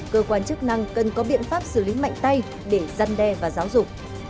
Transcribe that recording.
cơ quan chức năng cần có biện pháp xử lý mạnh tay để giăn đe và giáo dục